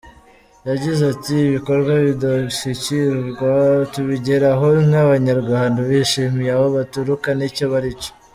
Yagize ati ‘‘Ibikorwa by’indashyikirwa tubigeraho nk’Abanyarwanda bishimiye aho baturuka n’icyo baricyo.